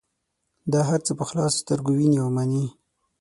دا هر څه په خلاصو سترګو وینې او مني.